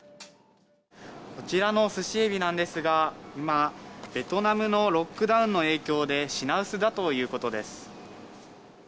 こちらのすしエビなんですが、今、ベトナムのロックダウンの影響で、品薄だということです。